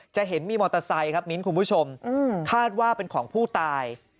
จะเห็นมีมอเตอร์ไซค์ครับมิ้นคุณผู้ชมคาดว่าเป็นของผู้ตาย